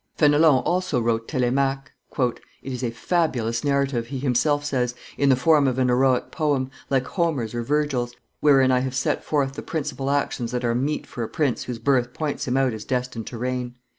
Fenelon also wrote Telemaque. "It is a fabulous narrative," he himself says, "in the form of an heroic poem, like Homer's or Virgil's, wherein I have set forth the principal actions that are meet for a prince whose birth points him out as destined to reign.